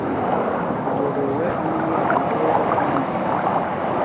buyobowe n umwana we yimitse